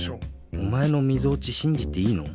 おまえのみぞおちしんじていいの？